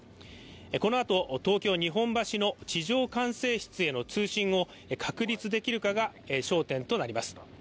このあと東京・日本橋の地上管制室への通信を確立できるかが焦点となります。